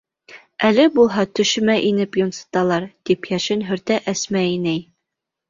Әле булһа төшөмә инеп йонсоталар, — тип йәшен һөртә Әсмә инәй.